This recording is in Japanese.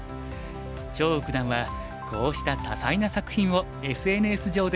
張栩九段はこうした多彩な作品をＳＮＳ上で披露しています。